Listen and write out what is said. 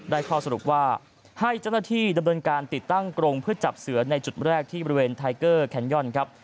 ข้อสรุปว่าให้เจ้าหน้าที่ดำเนินการติดตั้งกรงเพื่อจับเสือในจุดแรกที่บริเวณไทเกอร์แคนย่อนครับ